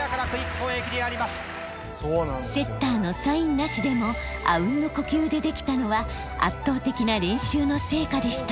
セッターのサインなしでもあうんの呼吸でできたのは圧倒的な練習の成果でした。